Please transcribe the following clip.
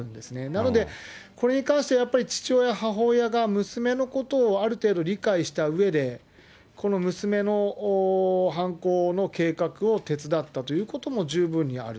なので、これに関しては、やっぱり父親、母親が娘のことをある程度理解したうえで、この娘の犯行の計画を手伝ったということも十分にある。